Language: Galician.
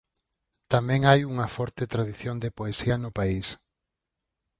Tamén hai unha forte tradición de poesía no país.